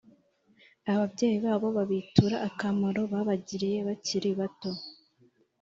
ababyeyi babo, babitura akamaro babagiriye bakiri bato